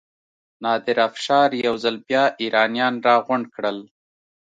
نادر افشار یو ځل بیا ایرانیان راغونډ کړل.